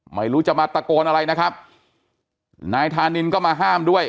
ไม่รู้จะมาตะโกนอะไรนะครับนายธานินก็มาห้ามด้วย